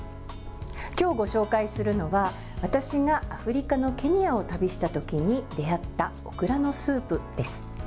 今日ご紹介するのは私がアフリカのケニアを旅したときに出会ったオクラのスープです。